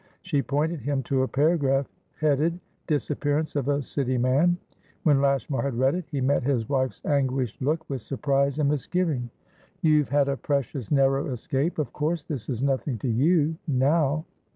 She pointed him to a paragraph headed: "Disappearance of a City Man." When Lashmar had read it, he met his wife's anguished look with surprise and misgiving. "You've had a precious narrow escape. Of course this is nothing to you, now?"